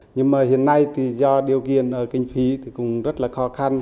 nhưng mà hiện nay thì do điều kiện kinh phí thì cũng rất là khó khăn